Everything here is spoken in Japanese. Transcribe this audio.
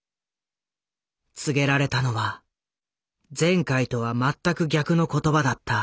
告げられたのは前回とは全く逆の言葉だった。